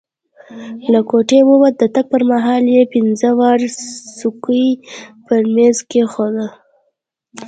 له کوټې ووت، د تګ پر مهال یې پینځه واړه سکوې پر میز کښېښودې.